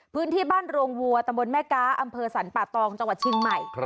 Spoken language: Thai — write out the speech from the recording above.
พื้นที่บ้านโรงวัวตำบลแม่ก๊าอำเภอสรรป่าตองจังหวัดเชียงใหม่